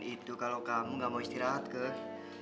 ngerepotin itu kalau kamu gak mau istirahat kak